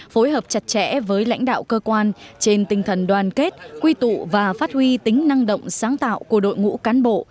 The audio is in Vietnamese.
phối hợp chặt chẽ với lãnh đạo cơ quan trên tinh thần đoàn kết quy tụ và phát huy tính năng động sáng tạo của đội ngũ cán bộ